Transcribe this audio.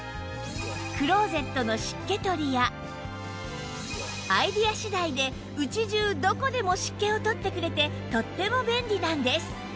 クローゼットの湿気取りやアイデア次第で家中どこでも湿気を取ってくれてとっても便利なんです